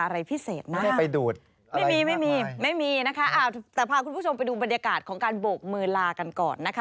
แต่พาคุณผู้ชมไปดูบรรยากาศของการโบกมือลากันก่อนนะคะ